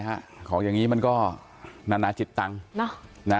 แล้วอันนี้ก็เปิดแล้ว